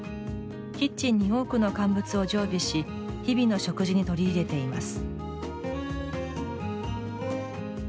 キッチンに多くの乾物を常備し日々の食事に取り入れています。